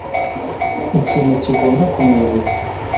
ikintu kigomba kumwibutsa